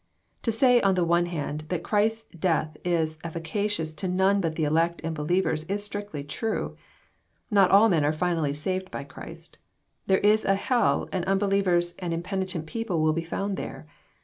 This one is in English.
To say, on the one hand, that Christ's death is efficacious to none but the elect and believers, is strictly true. Not all men are finally saved by Christ. There is a hell, and unbelievers and impenitent people will be found there.